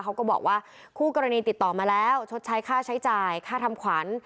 เขาก็บอกว่าคู่กรณีติดต่อมาแล้วชดใช้ค่าใช้จ่ายค่าทำขวัญ